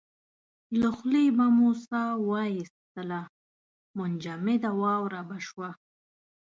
له خولې به مو ساه واېستله منجمده واوره به شوه.